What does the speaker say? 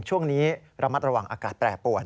ช่วงนี้ระมัดระวังอากาศแปรปวด